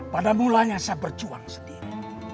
pada mulanya saya berjuang sendiri